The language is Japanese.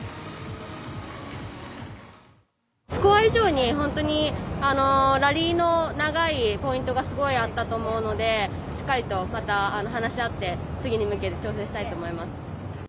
スコア以上にラリーの長いポイントがすごいあったと思うのでしっかりとまた話し合って次に向けて調整したいと思います。